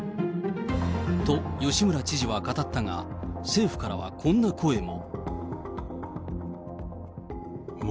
と、吉村知事は語ったが、政府からはこんな声も。